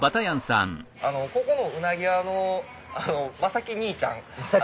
ここのうなぎ屋のまさき兄ちゃん。